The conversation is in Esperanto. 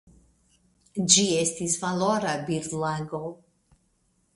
Ĝi estis valora birdlago.